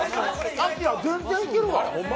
明、全然いけるわ。